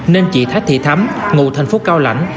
nên chị thái thị thắm ngụ thành phố cao lãnh